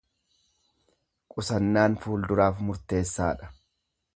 Qusannaan fuulduraaf murteessaa dha.